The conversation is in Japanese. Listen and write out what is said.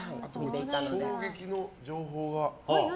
衝撃の情報が。